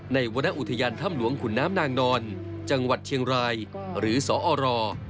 วรรณอุทยานถ้ำหลวงขุนน้ำนางนอนจังหวัดเชียงรายหรือสอร